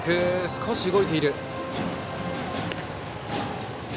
少し動いている。